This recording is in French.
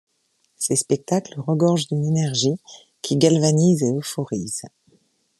Ses spectacles regorgent d’une énergie qui galvanise et euphorise.